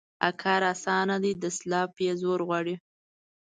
کار اسانه دى ، دسلاپ يې زور غواړي.